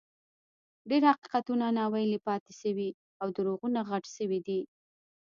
ډېر حقیقتونه ناویلي پاتې شوي او دروغونه غټ شوي دي.